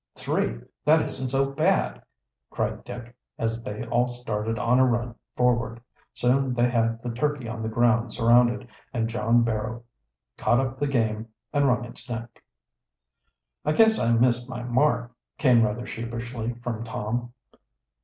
"Three! That isn't so bad!" cried Dick, as they all started on a run forward. Soon they had the turkey on the ground surrounded, and John Barrow caught up the game and wrung its neck. "I guess I missed my mark," came rather sheepishly from Tom.